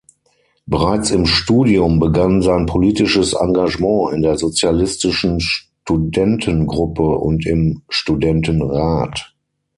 Bereits im Studium begann sein politisches Engagement in der sozialistischen Studentengruppe und im Studentenrat.